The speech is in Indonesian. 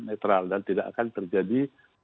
netral dan tidak akan terjadi